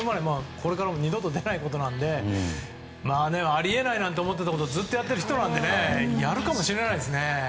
これからも二度と出ないことなのであり得ないなんて思っていたことずっとやっている人なのでやるかもしれないですね。